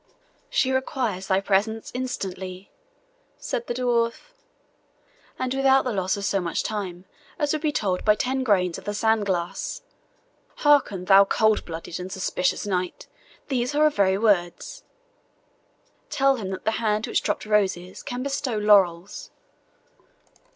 "She requires thy presence instantly," said the dwarf, "and without the loss of so much time as would be told by ten grains of the sandglass. Hearken, thou cold blooded and suspicious knight, these are her very words Tell him that the hand which dropped roses can bestow laurels."